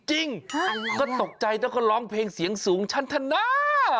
อะไรน่ะอะไรน่ะก็ตกใจแล้วก็ร้องเพลงเสียงสูงชั้นธนา